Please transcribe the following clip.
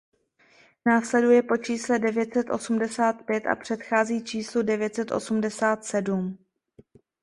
Následuje po čísle devět set osmdesát pět a předchází číslu devět set osmdesát sedm.